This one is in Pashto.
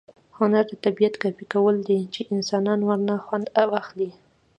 هنر د طبیعت کاپي کول دي، چي انسانان ورنه خوند واخلي.